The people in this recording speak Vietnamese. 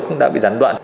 cũng đã bị gián đoạn